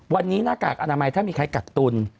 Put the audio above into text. วันนี้หน้ากากอนามัยถ้ามีใครกักตุล